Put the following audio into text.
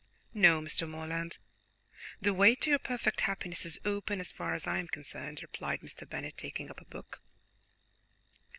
"No, Mr. Morland, the way to your perfect happiness is open as far as I am concerned," replied Mr. Bennet, taking up a book.